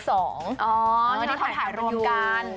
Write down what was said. อ๋อที่เราถ่ายรวมกัน